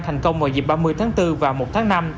thành công vào dịp ba mươi tháng bốn và một tháng năm